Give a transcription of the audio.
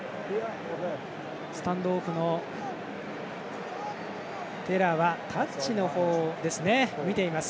スタンドオフのテラはタッチを見ています。